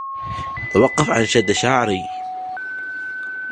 توقّف عن شدّ شعري